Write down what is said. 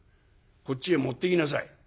「こっちへ持ってきなさい。